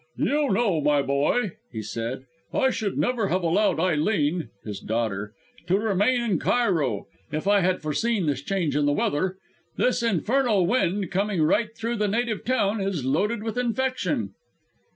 "You know, my boy," he said, "I should never have allowed Eileen" (his daughter) "to remain in Cairo, if I had foreseen this change in the weather. This infernal wind, coming right through the native town, is loaded with infection."